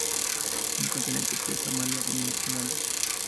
Se encuentra en Etiopía Somalia y en Uganda.